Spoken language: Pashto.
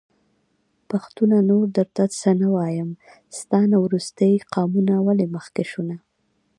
پښتونه نور درته څه نه وايم.. ستا نه وروستی قامونه ولي مخکې شو نه